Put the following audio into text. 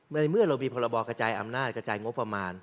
ในเมื่อเรามีพรบกระจายอำนาจกระจายงบประมาณ